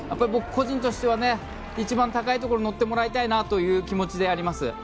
僕、個人としては一番高いところに乗ってもらいたいなという気持ちです。